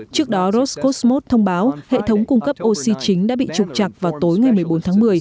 trước đó roscosmos thông báo hệ thống cung cấp oxy chính đã bị trục chặt vào tối ngày một mươi bốn tháng một mươi